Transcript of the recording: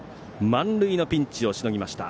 満塁のピンチをしのぎました。